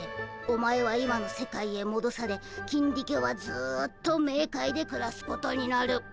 お前は今の世界へもどされキンディケはずっとメーカイでくらすことになる。